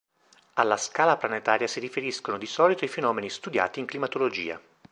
Alla scala planetaria si riferiscono di solito i fenomeni studiati in climatologia.